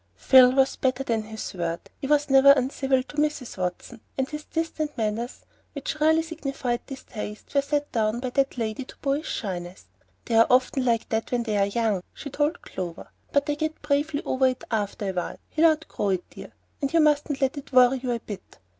Phil was better than his word. He was never uncivil to Mrs. Watson, and his distant manners, which really signified distaste, were set down by that lady to boyish shyness. "They often are like that when they are young," she told Clover; "but they get bravely over it after a while. He'll outgrow it, dear, and you mustn't let it worry you a bit."